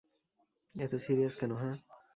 এতো সিরিয়াস কেন, হাহ?